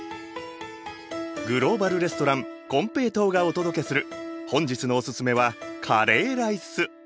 グローバル・レストランこんぺいとうがお届けする本日のオススメはカレーライス。